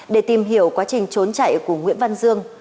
để tìm hiểu quá trình trốn chạy của nguyễn văn dương